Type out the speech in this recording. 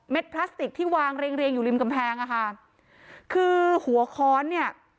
พลาสติกที่วางเรียงเรียงอยู่ริมกำแพงอ่ะค่ะคือหัวค้อนเนี่ย